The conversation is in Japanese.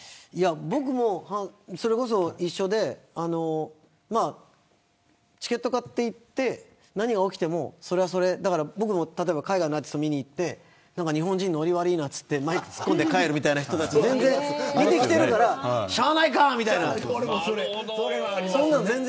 僕も一緒でチケットを買って行って何が起きてもそれはそれ僕も海外のアーティスト見に行って日本人、ノリ悪いなみたいなマイク突っ込んで帰るみたいな人たち見てきてるからしゃあないかって。